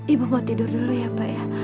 ibu mau tidur dulu ya mbak ya